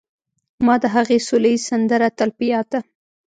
ما د هغې سوله ييزه سندره تل په ياد ده